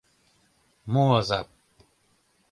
«Мо азап?